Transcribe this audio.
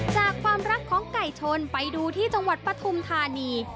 จากความรักของไก่ชนไปดูที่จังหวัดปฐุมธานี